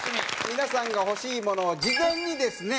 皆さんが欲しいものを事前にですね